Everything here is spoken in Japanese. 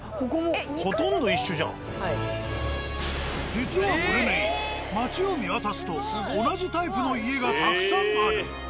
実はブルネイ町を見渡すと同じタイプの家がたくさんある。